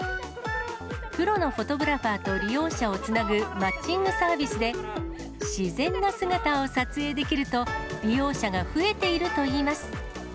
プロのフォトグラファーと利用者をつなぐマッチングサービスで、自然な姿を撮影できると、利用者が増えているといいます。